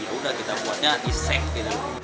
yaudah kita buatnya disek